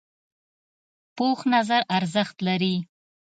پوخ نظر ارزښت لري